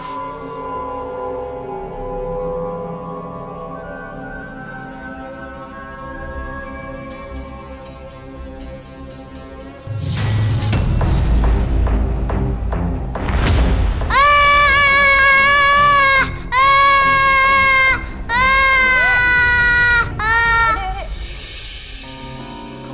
aduh aduh aduh